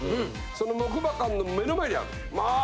その木馬館の目の前にあるまあ